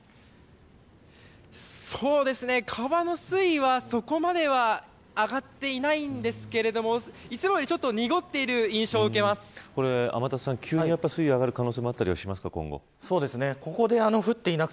そうですね、川の水位はそこまでは上がっていないんですけれどもいつもよりちょっと濁っている印象を天達さん、急に水位が上がる可能性は、今後ありますか。